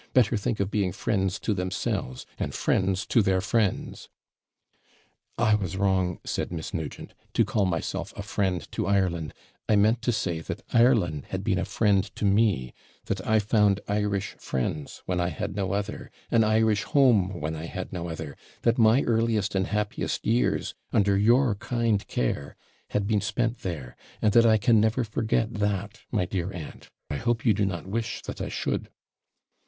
Better think of being friends to themselves, and friends to their friends.' 'I was wrong,' said Miss Nugent, 'to call myself a friend to Ireland; I meant to say, that Ireland had been a friend to me; that I found Irish friends, when I had no other; an Irish home, when I had no other; that my earliest and happiest years, under your kind care, had been spent there; and that I can never forget THAT my dear aunt I hope you do not wish that I should.'